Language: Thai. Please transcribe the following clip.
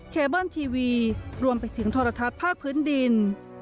เคเบิ้ลทีวีรวมไปถึงโทรทัศน์ภาคพื้นดิน